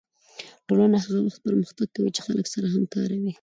ټولنه هغه وخت پرمختګ کوي چې خلک سره همکاره وي